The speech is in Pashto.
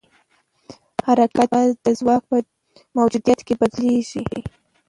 حرکت یوازې د ځواک په موجودیت کې بدل کېږي.